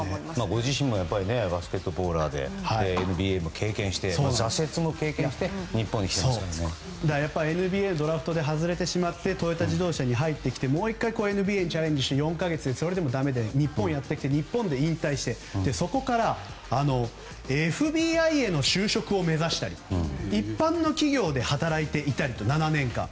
ご自身もバスケットボーラーでＮＢＡも経験して挫折も経験してＮＢＡのドラフトに外れてしまってトヨタ自動車に入ってもう１回ＮＢＡに挑戦してそれでもだめで日本にやってきて日本で引退してそこからＦＢＩへの就職を目指したり一般の企業で働いていたり７年間。